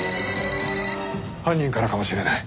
犯人からかもしれない。